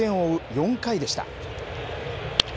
４回でした。